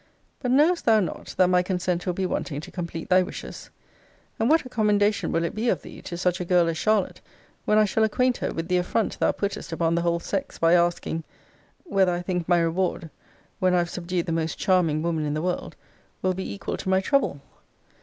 But knowest thou not, that my consent will be wanting to complete thy wishes? And what a commendation will it be of thee to such a girl as Charlotte, when I shall acquaint her with the affront thou puttest upon the whole sex, by asking, Whether I think my reward, when I have subdued the most charming woman in the world, will be equal to my trouble?